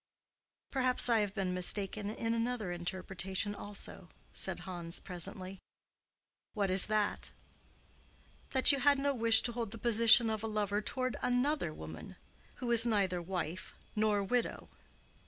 "Perhaps I have been mistaken in another interpretation, also," said Hans, presently. "What is that?" "That you had no wish to hold the position of a lover toward another woman, who is neither wife nor widow."